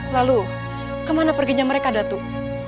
lalu kemana perginya mereka datang